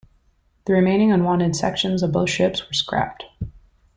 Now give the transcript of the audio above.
The remaining unwanted sections of both ships were scrapped.